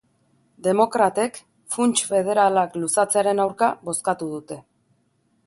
Demokratek funts federalak luzatzearen aurka bozkatu dute.